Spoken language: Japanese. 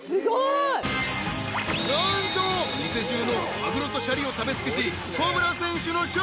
［何と店中のマグロとしゃりを食べ尽くし］